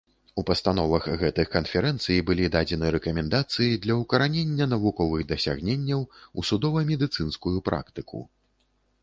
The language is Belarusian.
У пастановах гэтых канферэнцый былі дадзены рэкамендацыі для ўкаранення навуковых дасягненняў у судова-медыцынскую практыку.